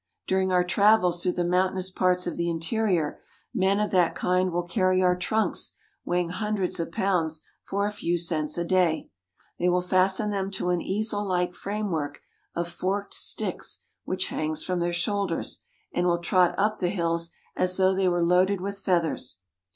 During our travels through the mountainous parts of the interior, men of that kind will carry our trunks weighing hundreds of pounds for a few cents a day. They will fasten them to an easel like frame work of forked sticks which hangs from their shoulders, — with a cartload of pottery tied to his back." 96 KOREA and will trot up the hills as though they were loaded with feathers.